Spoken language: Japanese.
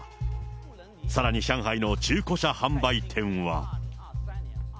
さらに上海の中古車販売店は。